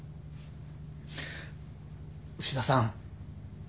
牛田さん